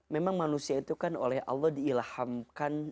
memang manusia itu kan oleh allah diilhamkan